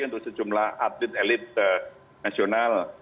untuk sejumlah atlet elit nasional